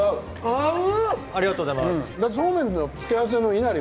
合う。